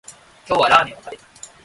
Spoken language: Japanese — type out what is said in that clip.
今日はラーメンを食べた